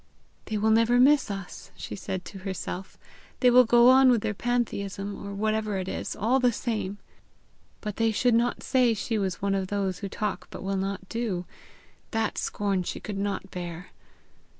"They will never miss us!" she said to herself. "They will go on with their pantheism, or whatever it is, all the same!" But they should not say she was one of those who talk but will not do! That scorn she could not bear!